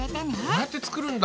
こうやって作るんだ！